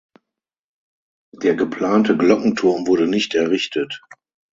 Der geplante Glockenturm wurde nicht errichtet.